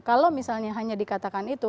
kalau misalnya hanya dikatakan itu